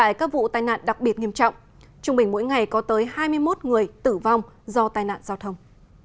tại các vụ tai nạn đặc biệt nghiêm trọng trung bình mỗi ngày có tới hai mươi một người tử vong do tai nạn giao thông